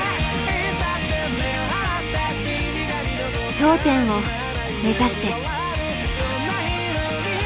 頂点を目指して。